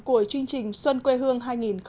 của chương trình xuân quê hương hai nghìn một mươi tám